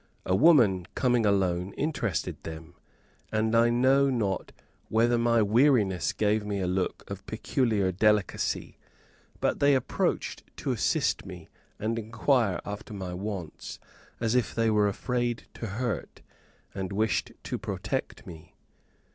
A woman coming alone interested them. And I know not whether my weariness gave me a look of peculiar delicacy, but they approached to assist me, and inquire after my wants, as if they were afraid to hurt, and wished to protect me.